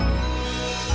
tunggu papa dulu